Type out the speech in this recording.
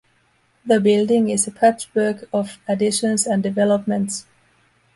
The building is a patchwork of additions and developments.